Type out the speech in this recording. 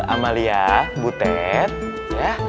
amalia butet ya